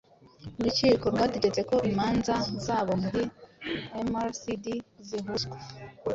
urukiko rwategetse ko imanza z'abo muri mrcd zihuzwa